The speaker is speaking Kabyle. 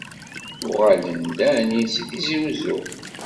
Uɣalen-d ɛni seg Tizi Wezzu?